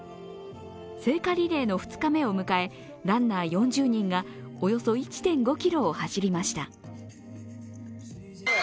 聖火リレーの２日目を迎え、ランナー４０人がおよそ１．５ｋｍを走りました。